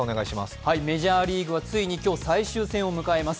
メジャーリーグはついに今日、最終戦を迎えます。